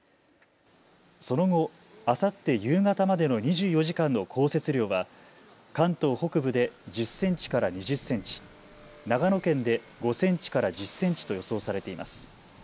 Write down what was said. その後、あさって夕方までの２４時間の降雪量は関東北部で１０センチから２０センチ、長野県で５センチから１０センチと予想されています。